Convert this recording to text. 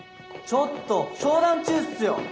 ちょっと商談中っすよ！